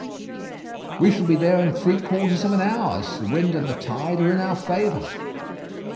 "We shall be there in three quarters of an hour, as the wind and tide are in our favour."